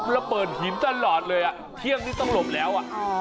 ระเบิดหินตลอดเลยเที่ยงนี้ต้องหลบแล้ว